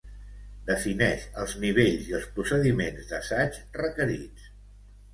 Defineix els nivells i els procediments d'assaig requerits.